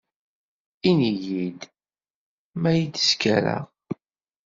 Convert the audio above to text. Ini-iyi ma yd skareɣ.